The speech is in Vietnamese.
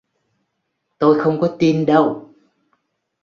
tôi không có tin đâu